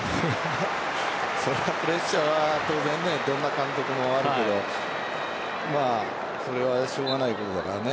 それはプレッシャーは当然どんな監督もあるけどそれはしょうがないことだからね。